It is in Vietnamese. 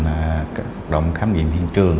học động khám nghiệm hiện trường